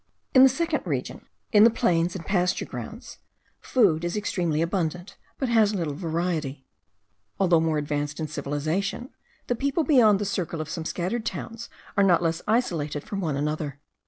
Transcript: In the second region, in the plains and pasture grounds, food is extremely abundant, but has little variety. Although more advanced in civilization, the people beyond the circle of some scattered towns are not less isolated from one another.